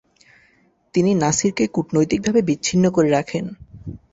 তিনি নাসিরকে কূটনৈতিকভাবে বিচ্ছিন্ন করে রাখেন।